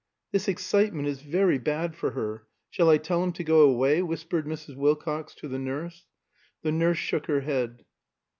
"This excitement is very bad for her. Shall I tell him to go away?" whispered Mrs. Wilcox to the nurse. The nurse shook her head.